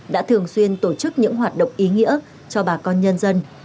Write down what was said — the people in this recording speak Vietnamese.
đã thường xuyên tổ chức những hoạt động ý nghĩa cho bà con nhân dân